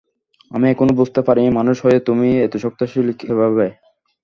আমি এখনো বুঝতে পারিনি, মানুষ হয়েও তুমি এত শক্তিশালী কীভাবে।